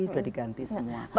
sudah diganti semua